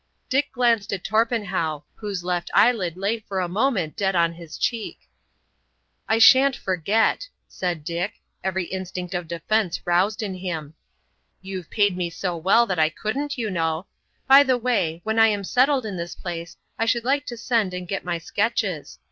Dick glanced at Torpenhow, whose left eyelid lay for a moment dead on his cheek. "I shan't forget," said Dick, every instinct of defence roused in him. "You've paid me so well that I couldn't, you know. By the way, when I am settled in this place I should like to send and get my sketches.